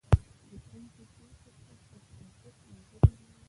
لیکونکی پېښو ته په دقیق نظر ګوري.